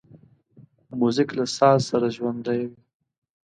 موزیک له ساز سره ژوندی وي.